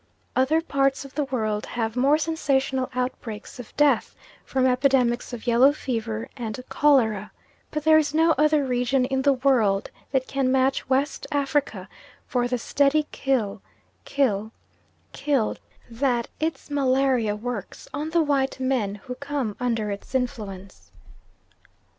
Other parts of the world have more sensational outbreaks of death from epidemics of yellow fever and cholera, but there is no other region in the world that can match West Africa for the steady kill, kill, kill that its malaria works on the white men who come under its influence.